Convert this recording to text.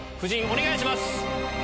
お願いします！